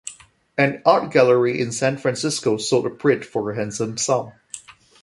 An art gallery in San Francisco sold a print for a handsome sum.